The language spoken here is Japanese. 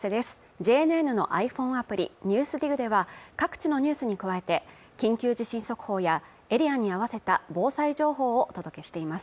ＪＮＮのｉＰｈｏｎｅアプリ「ＮＥＷＳＤＩＧ」では各地のニュースに加えて緊急地震速報やエリアに合わせた防災情報をお届けしています